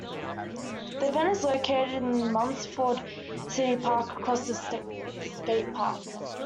The event is located at the Munford City Park, across from the skate park.